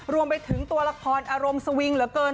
รวมไปถึงตัวละครอารมณ์สวิงเหลือเกิน